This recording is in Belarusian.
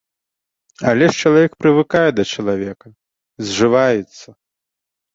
Але ж чалавек прывыкае да чалавека, зжываецца.